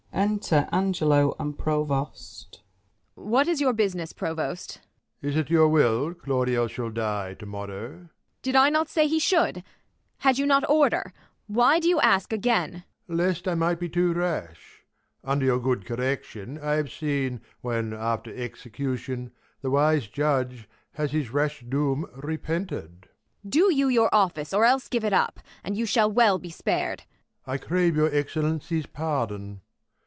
Enter Angelo a^id Provost. Ang. What is your business. Provost 1 Prov. Is it your will Claudio shall die to morrow ? Ang. Did I not say he should 1 Had you not order 1 Why do you ask again 1 Prov. Lest I might be too rash. Under your good correction, I have seen When, after execution, the wise judge Has his rash doom repented. Ang. Do j^ou your office, or else give it up ! And you shall well he spar'd. Prov. I crave your Excellency's pardon.